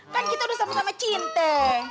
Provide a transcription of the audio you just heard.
kan kita udah sama sama cinta